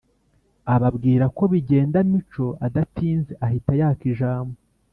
ababwirako bigenda mico adatinze ahita yaka ijambo